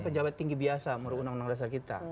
pejabat tinggi biasa menurut undang undang dasar kita